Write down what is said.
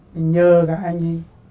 mình nhờ các anh đi